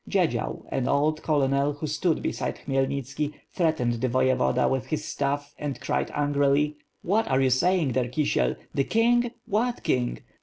Dziedzial, an old colonel, who stood beside Khmy elnitski, threatend the voyevoda with his staff and cried angrily: "What are you saying there, Kisiel? The king? What king?